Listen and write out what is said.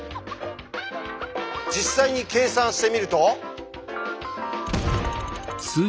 実際に計算してみると。